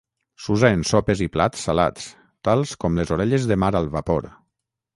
S'usa en sopes i plats salats tals com les orelles de mar al vapor.